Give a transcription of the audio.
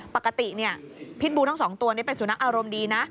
ปกติพิธบูร์ทั้ง๒ตัวเป็นสุนัขอารมณ์ดีนะ